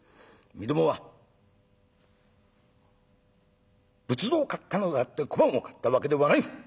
みどもは仏像を買ったのであって小判を買ったわけではない。